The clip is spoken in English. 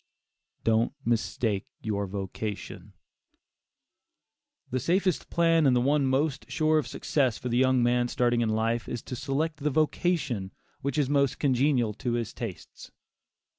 DON'T MISTAKE YOUR VOCATION. The safest plan, and the one most sure of success for the young man starting in life, is to select the vocation which is most congenial to his tastes.